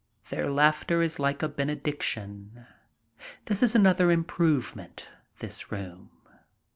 Their laughter is like a benediction. This is another improvement, this room.